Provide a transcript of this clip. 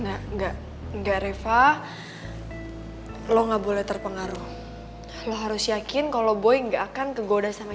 enggak enggak reva lo nggak boleh terpengaruh lo harus yakin kalau boy enggak akan kegoda sama